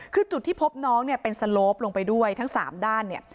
คือจุดที่พบน้องเนี่ยเป็นสโลปลงไปด้วยทั้ง๓ด้านเนี่ย